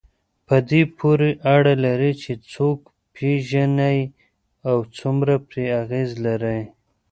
په دې پورې اړه لري چې څوک پېژنئ او څومره پرې اغېز لرئ.